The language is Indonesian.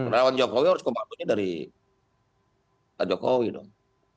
relawan jokowi harus komandonya dari pak jokowi dong